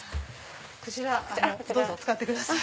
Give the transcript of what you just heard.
こちらどうぞ使ってください。